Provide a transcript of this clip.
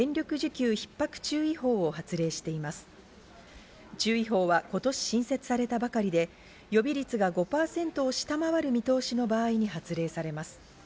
注意報は今年新設されたばかりで、予備率が５％を下回る見通しの場合に発令されます。